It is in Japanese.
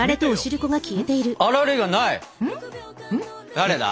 誰だ？